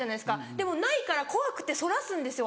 でもないから怖くてそらすんですよ。